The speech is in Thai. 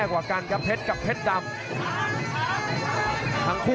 อื้อหือจังหวะขวางแล้วพยายามจะเล่นงานด้วยซอกแต่วงใน